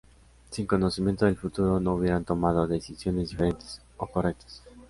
Sin conocimiento del futuro no hubieran tomado decisiones diferentes o correctas.